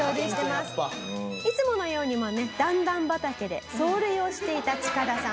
いつものように段々畑で走塁をしていたチカダさん。